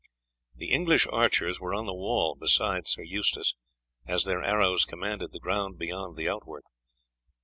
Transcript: The English archers were on the wall beside Sir Eustace, as their arrows commanded the ground beyond the outwork.